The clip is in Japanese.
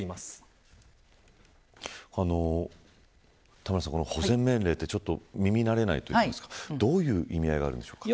田村さん保全命令って耳慣れないといいますかどういう意味合いなんでしょうか。